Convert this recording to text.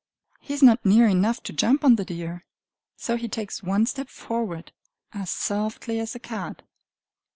He is not near enough to jump on the deer; so he takes one step forward as softly as a cat!